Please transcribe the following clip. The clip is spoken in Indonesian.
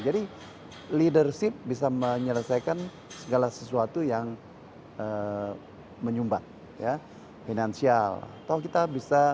jadi leadership bisa menyelesaikan segala sesuatu yang menyumbat finansial atau kita bisa